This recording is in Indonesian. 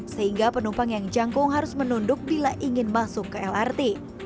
sehingga penumpang yang jangkung harus menunduk bila ingin masuk ke lrt